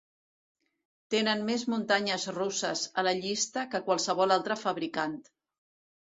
Tenen més muntanyes russes a la llista que qualsevol altre fabricant.